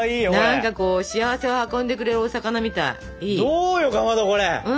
どうよかまどこれ。